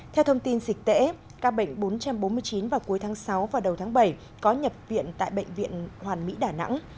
theo thông tin dịch tễ các bệnh bốn trăm bốn mươi chín vào cuối tháng sáu và đầu tháng bảy có nhập viện tại bệnh viện hoàn mỹ đà nẵng